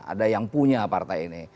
ada yang punya partai ini